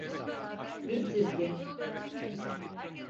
Düz çizgi.